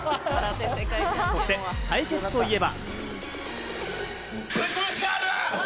そして対決といえば。